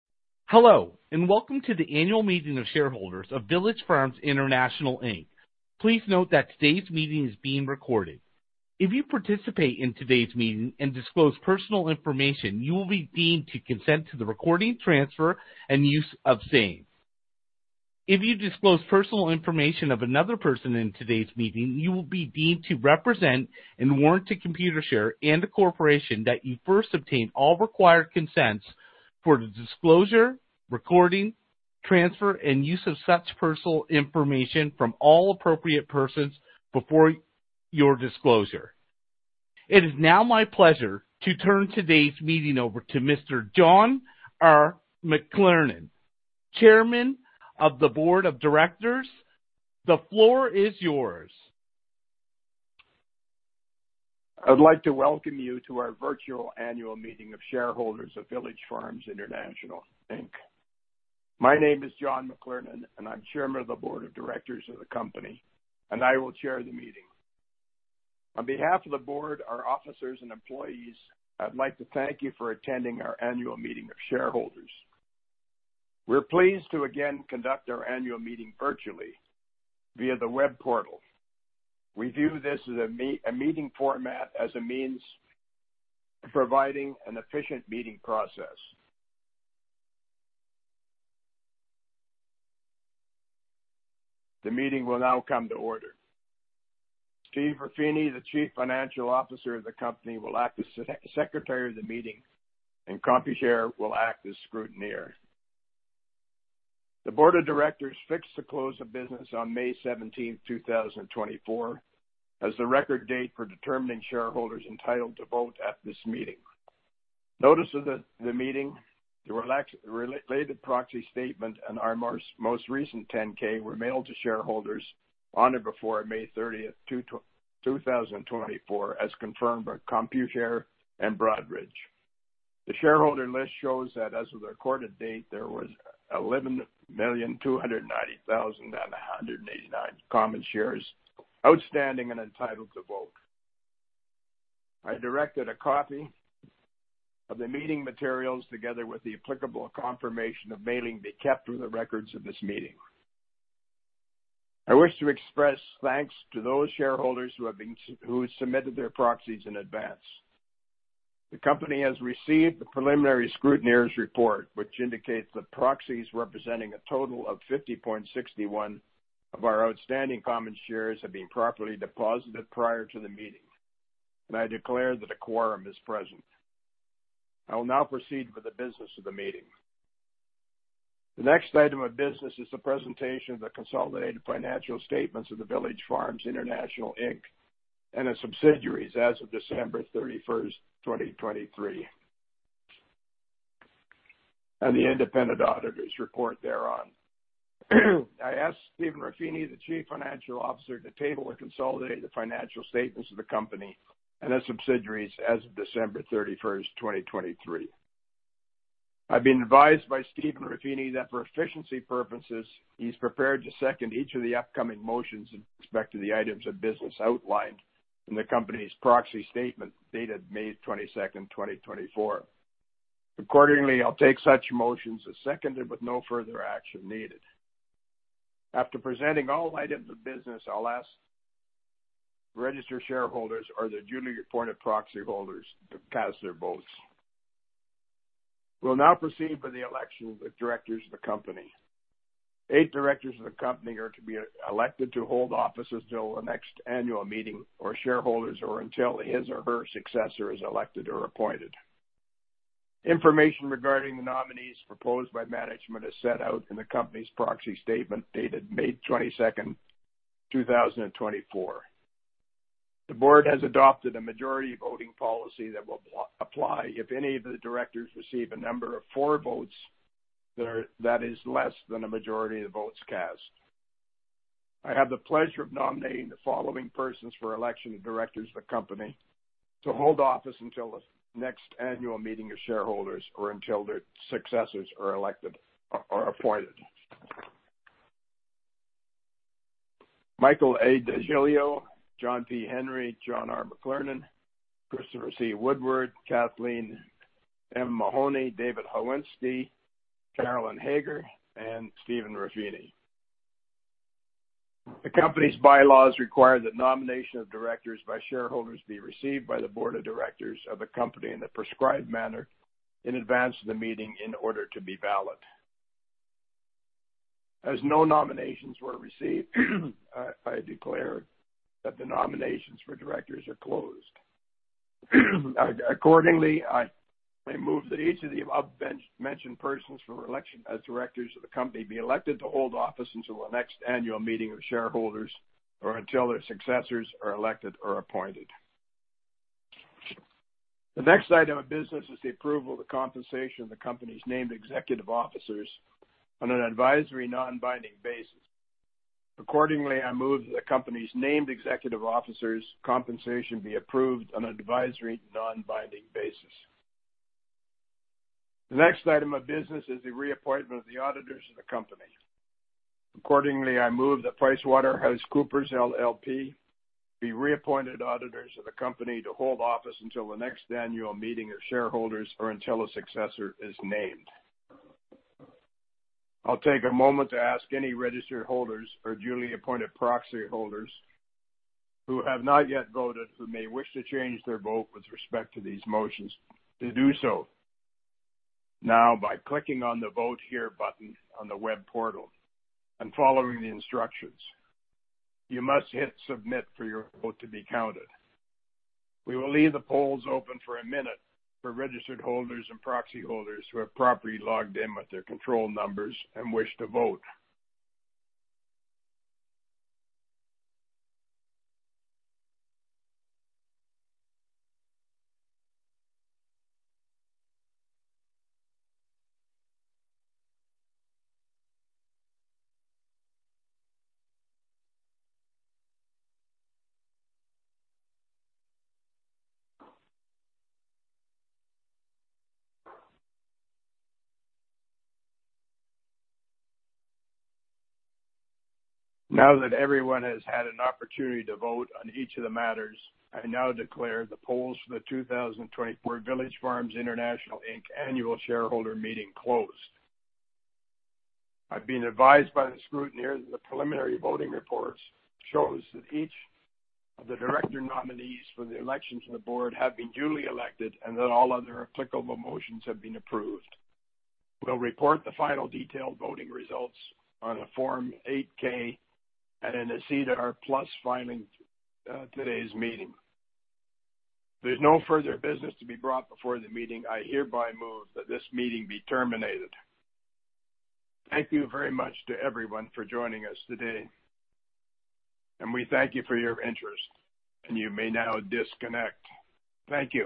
Hello, and welcome to the Annual Meeting of Shareholders of Village Farms International, Inc. Please note that today's meeting is being recorded. If you participate in today's meeting and disclose personal information, you will be deemed to consent to the recording, transfer, and use of same. If you disclose personal information of another person in today's meeting, you will be deemed to represent and warrant to Computershare and the corporation that you first obtained all required consents for the disclosure, recording, transfer, and use of such personal information from all appropriate persons before your disclosure. It is now my pleasure to turn today's meeting over to Mr. John R. McLernon, Chairman of the Board of Directors. The floor is yours. I'd like to welcome you to our virtual Annual Meeting of Shareholders of Village Farms International Inc. My name is John McLernon, and I'm Chairman of the Board of Directors of the company, and I will chair the meeting. On behalf of the Board of Directors, our officers, and employees, I'd like to thank you for attending our Annual Meeting of Shareholders. We're pleased to again conduct our Annual Meeting of Shareholders virtually via the web portal. We view this as a meeting format as a means of providing an efficient meeting process. The meeting will now come to order. Steve Ruffini, the Chief Financial Officer of the company, will act as secretary of the meeting, and Computershare will act as scrutineer. The Board of Directors fixed the close of business on May 17, 2024, as the Record Date for determining shareholders entitled to vote at this meeting. Notice of the meeting, the related proxy statement and our most recent Form 10-K were mailed to shareholders on or before May 30th, 2024, as confirmed by Computershare and Broadridge. The shareholder list shows that as of the Record Date, there was 11,290,189 common shares outstanding and entitled to vote. I directed a copy of the meeting materials, together with the applicable confirmation of mailing, be kept through the records of this meeting. I wish to express thanks to those shareholders who submitted their proxies in advance. The company has received the preliminary scrutineer's report, which indicates that proxies representing a total of 50.61% of our outstanding common shares have been properly deposited prior to the meeting, and I declare that a quorum is present. I will now proceed with the business of the meeting. The next item of business is the presentation of the consolidated financial statements of the Village Farms International Inc. and its subsidiaries as of December 31st, 2023, and the independent auditor's report thereon. I ask Steven Ruffini, the Chief Financial Officer, to table the consolidated the financial statements of the company and its subsidiaries as of December 31st, 2023. I've been advised by Steven Ruffini that for efficiency purposes, he's prepared to second each of the upcoming motions with respect to the items of business outlined in the company's Proxy Statement dated May 22, 2024. Accordingly, I'll take such motions as seconded with no further action needed. After presenting all items of business, I'll ask registered shareholders or their duly appointed proxy holders to cast their votes. We'll now proceed with the election of the directors of the company. Eight directors of the company are to be elected to hold office until the next annual meeting of shareholders, or until his or her successor is elected or appointed. Information regarding the nominees proposed by management is set out in the company's proxy statement, dated May 22nd, 2024. The board has adopted a majority voting policy that will apply if any of the directors receive a number of votes that is less than a majority of the votes cast. I have the pleasure of nominating the following persons for election of directors of the company to hold office until the next annual meeting of shareholders or until their successors are elected or appointed: Michael A. DeGiglio, John P. Henry, John R. McLernon, Christopher C. Woodward, Kathleen C. Mahoney, David Holewinski, Carolyn Hauger, and Steven Ruffini. The company's bylaws require that nomination of directors by shareholders be received by the board of directors of the company in a prescribed manner in advance of the meeting in order to be valid. As no nominations were received, I declare that the nominations for directors are closed. Accordingly, I move that each of the above-mentioned persons for election as directors of the company be elected to hold office until the next annual meeting of shareholders or until their successors are elected or appointed. The next item of business is the approval of the compensation of the company's named executive officers on an advisory, non-binding basis. Accordingly, I move that the company's named executive officers' compensation be approved on an advisory, non-binding basis. The next item of business is the reappointment of the auditors of the company. Accordingly, I move that PricewaterhouseCoopers LLP be reappointed auditors of the company to hold office until the next annual meeting of shareholders or until a successor is named. I'll take a moment to ask any registered holders or duly appointed proxy holders who have not yet voted, who may wish to change their vote with respect to these motions, to do so now by clicking on the Vote Here button on the web portal and following the instructions. You must hit Submit for your vote to be counted. We will leave the polls open for a minute for registered holders and proxy holders who have properly logged in with their control numbers and wish to vote. Now that everyone has had an opportunity to vote on each of the matters, I now declare the polls for the 2024 Village Farms International Inc. annual shareholder meeting closed. I've been advised by the scrutineer that the preliminary voting reports shows that each of the director nominees for the election to the board have been duly elected, and that all other applicable motions have been approved. We'll report the final detailed voting results on a Form 8-K and in a SEDAR+ filing, today's meeting. There's no further business to be brought before the meeting. I hereby move that this meeting be terminated. Thank you very much to everyone for joining us today, and we thank you for your interest, and you may now disconnect. Thank you.